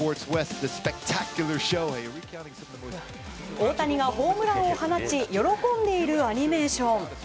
大谷がホームランを放ち喜んでいるアニメーション。